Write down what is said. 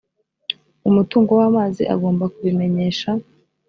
umutungo w’amazi agomba kubimenyesha